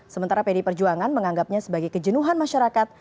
sementara pd perjuangan menganggapnya sebagai kejenuhan masyarakat